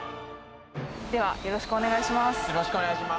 では、よろしくお願いします。